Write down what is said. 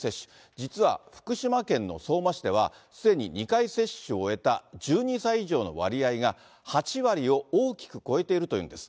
実は、福島県の相馬市では、すでに２回接種を終えた１２歳以上の割合が、８割を大きく超えているというんです。